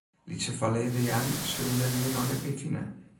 Lytse falerianen sille je hjir no net mear fine.